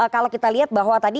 kalau kita lihat bahwa tadi